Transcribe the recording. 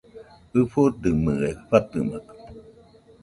ɨfodɨmɨe fatɨmakɨ